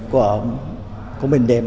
của mình để